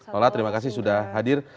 tola terima kasih sudah hadir